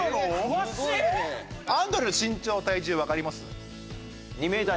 アンドレの身長体重わかります？